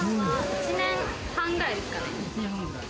１年半くらいですかね。